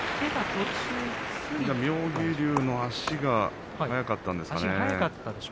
妙義龍の足が早かったんですかね。